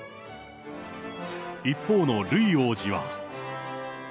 一方のルイ王子は。